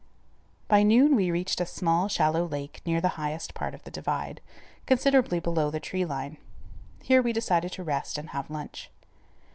By noon we reached a small, shallow lake near the highest part of the divide, considerably below tree line. Here we decided to rest and have lunch.